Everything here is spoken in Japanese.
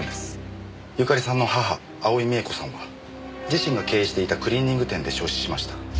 由香利さんの母青井美恵子さんは自身が経営していたクリーニング店で焼死しました。